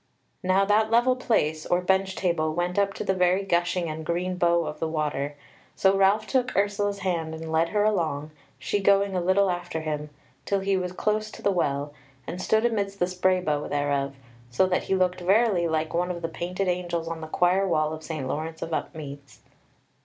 Now that level place, or bench table went up to the very gushing and green bow of the water, so Ralph took Ursula's hand and led her along, she going a little after him, till he was close to the Well, and stood amidst the spray bow thereof, so that he looked verily like one of the painted angels on the choir wall of St. Laurence of Upmeads.